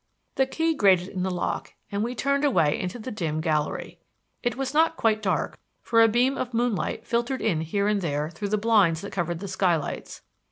The key grated in the lock and we turned away into the dim gallery. It was not quite dark, for a beam of moonlight filtered in here and there through the blinds that covered the skylights.